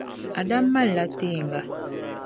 Adam malila teeŋa.